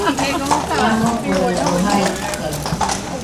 Janokoraɨdo jaitɨkaɨ.